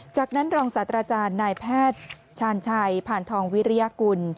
จากนั้นรองศาสตราจารย์นายแพทย์ชาญชัยผ่านทองวิริยากุล